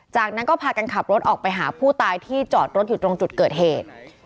จากนั้นก็พากันขับรถออกไปหาผู้ตายที่จอดรถอยู่ตรงจุดเกิดเหตุ